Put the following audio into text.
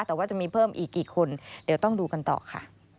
แต่ว่าจะมีเพิ่มอีกกี่คนเดี๋ยวต้องดูกันต่อค่ะ